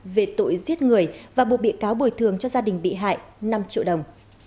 về tội giết người và buộc bị cáo bồi thường cho gia đình bị hại năm triệu đồng